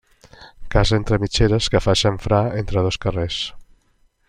Casa entre mitgeres que fa xamfrà entre dos carrers.